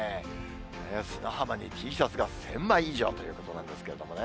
砂浜にＴシャツが１０００枚以上ということなんですけれどもね。